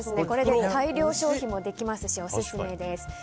これで大量消費もできますしオススメです。